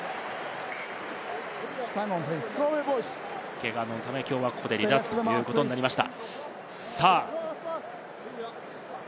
けがのため、きょうはここで離脱ということになりました。